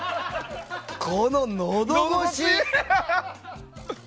この、のど越し！